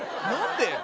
何で？